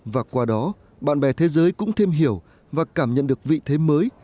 và qua đó bạn bè thế giới cũng thêm hiểu và cảm nhận được vị thế mới